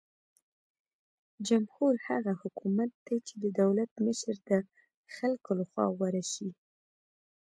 جمهور هغه حکومت دی چې د دولت مشره د خلکو لخوا غوره شي.